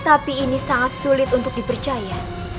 tapi ini sangat sulit untuk dipercaya